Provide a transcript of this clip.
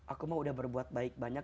aku mah udah berbuat baik banyak